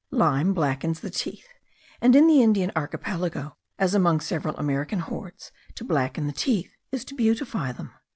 Lime blackens the teeth; and in the Indian Archipelago, as among several American hordes, to blacken the teeth is to beautify them.